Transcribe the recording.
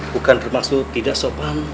bukan bermaksud tidak sopan